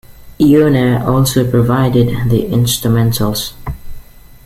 Iona also provided the instrumentals.